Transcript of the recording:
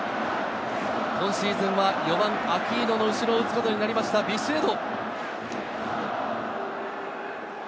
今シーズンは４番・アキーノの後ろを打つことになりました、ビシエド。